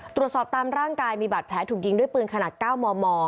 ตามร่างกายมีบาดแผลถูกยิงด้วยปืนขนาด๙มม